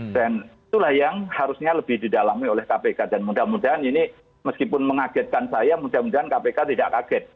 dan itulah yang harusnya lebih didalami oleh kpk dan mudah mudahan ini meskipun mengagetkan saya mudah mudahan kpk tidak kaget